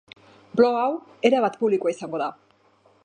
Blog hau erabat publikoa izango da.